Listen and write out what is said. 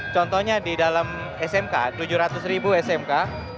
contohnya di dalam smk tujuh ratus ribu smk